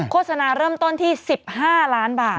โฆษณาเริ่มต้นที่๑๕ล้านบาท